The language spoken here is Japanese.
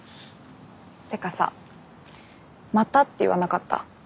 てかさまたって言わなかった？